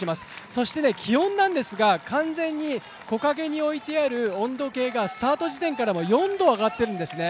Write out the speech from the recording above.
そして気温ですが、完全に木陰に置いてある温度計がスタート時点からは４度上がっているんですね。